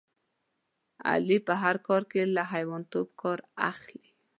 علي په هر کار کې له حیوانتوب څخه کار اخلي.